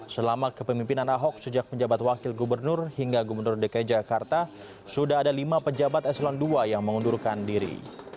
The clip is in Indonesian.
selama kepemimpinan ahok sejak menjabat wakil gubernur hingga gubernur dki jakarta sudah ada lima pejabat eselon ii yang mengundurkan diri